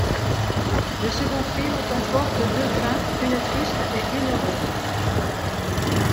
Le second film comporte deux fins, une triste et une heureuse.